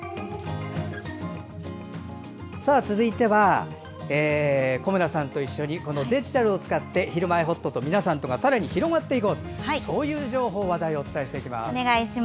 続いては小村さんと一緒にデジタルを使って「ひるまえほっと」と皆さんとがさらに広がっていこうという情報、話題をお伝えします。